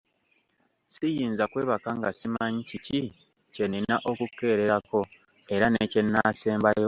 Siyinza kwebaka nga simanyi kiki kye nnina okukeererako era ne kye naasembayo enkeera.